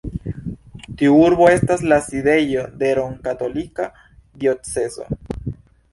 Tiu urbo estas la sidejo de romkatolika diocezo.